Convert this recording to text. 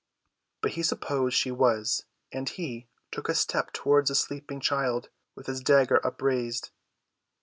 But he supposed she was; and he took a step towards the sleeping child with his dagger upraised.